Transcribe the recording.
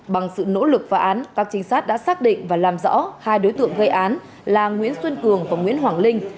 bằng sự nỗ lực phá án các trinh sát đã xác định và làm rõ hai đối tượng gây án là nguyễn xuân cường và nguyễn hoàng linh